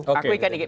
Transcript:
aku ingat sedikit